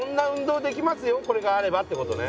これがあればってことね。